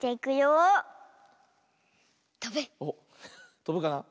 とぶかな？